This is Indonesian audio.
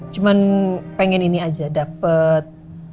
cuman pengen ini aja dapet